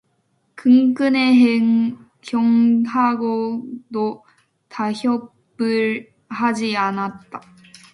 끝끝내 형하고도 타협을 하지 않았다.